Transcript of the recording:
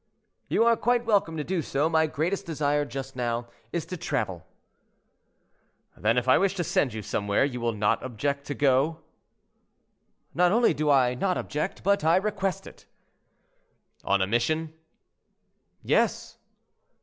"You are quite welcome to do so; my greatest desire just now is to travel." "Then if I wish to send you somewhere you will not object to go?" "Not only I do not object, but I request it." "On a mission?" "Yes."